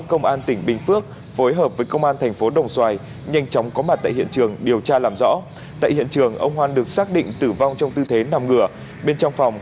công an tỉnh bình phước hiện đang phối hợp với công an thành phố đồng xoài tổ chức khám nghiệm hiện trường khám nghiệm tử thi điều tra làm rõ cái chết của ông lưu nguyễn công hoan ba mươi năm tuổi giám đốc trung tâm anh ngữ hoan ba mươi năm tuổi giám đốc trung tâm anh ngữ hoan